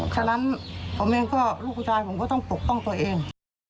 ฉะนั้นลูกผู้ชายผมเองก็ต้องปกป้องตัวเอง